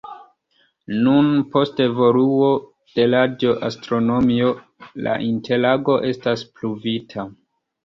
Nun, post evoluo de radio-astronomio la interago estas pruvita.